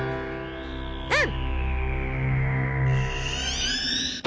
うん。